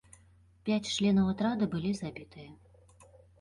Пяць членаў атрада былі забітыя.